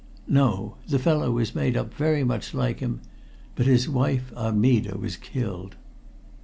"No. The fellow was made up very much like him. But his wife Armida was killed."